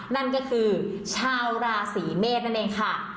นั่นก็คือชาวราศีเมษนั่นเองค่ะ